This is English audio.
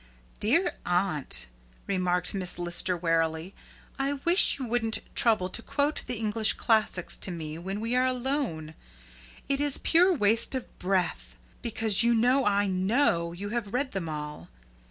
'" "Dear aunt," remarked Miss Lister wearily, "I wish you wouldn't trouble to quote the English classics to me when we are alone. It is pure waste of breath, because you see I KNOW you have read them all.